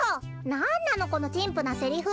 なんなのこのちんぷなセリフ。